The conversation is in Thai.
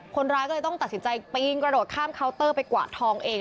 คนร้ายก็เลยต้องตัดสินใจปีนกระโดดข้ามเคาน์เตอร์ไปกวาดทองเอง